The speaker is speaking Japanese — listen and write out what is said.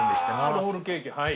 ああロールケーキはい。